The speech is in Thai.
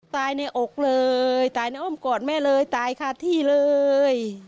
ในอกเลยตายในอ้อมกอดแม่เลยตายคาที่เลย